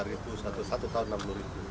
lima ribu satu tahun enam puluh ribu